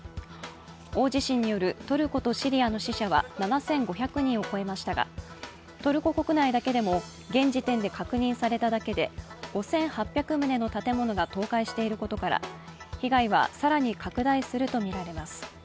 大地震によるトルコとシリアの死者は７５００人を超えましたがトルコ国内だけでも現時点で確認されただけで５８００棟の建物が倒壊していることから被害は更に拡大するとみられます。